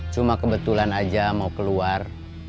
cuma kebetulan aja mau keluar